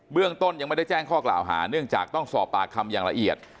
เรื่องต้นยังไม่ได้แจ้งข้อกล่าวหาเนื่องจากต้องสอบปากคำอย่างละเอียด